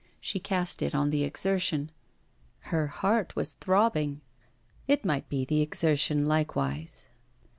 She cast it on the exertion. Her heart was throbbing. It might be the exertion likewise.